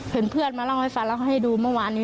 เห็นเพื่อนมาเล่าเอาให้ฟันเล่าให้ดูเมื่อวานนี้